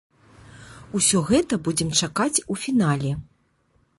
Усё гэта будзем чакаць у фінале.